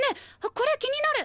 これ気になる！